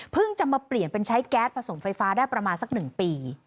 จะมาเปลี่ยนเป็นใช้แก๊สผสมไฟฟ้าได้ประมาณสัก๑ปี